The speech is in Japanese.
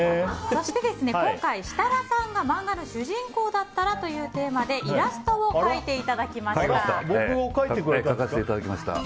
そして、今回設楽さんが漫画の主人公だったら？というテーマでイラストを描いていただきました。